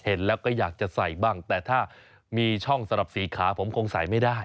เห็นแล้วก็อยากจะใส่บ้างแต่ถ้ามีช่องสำหรับสีขาผมคงใส่ไม่ได้